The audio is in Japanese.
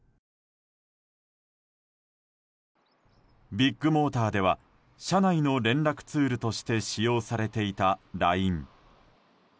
ビッグモーターでは社内の連絡ツールとして使用されていたＬＩＮＥ。